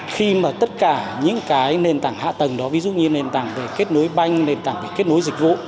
khi mà tất cả những cái nền tảng hạ tầng đó ví dụ như nền tảng về kết nối banh nền tảng về kết nối dịch vụ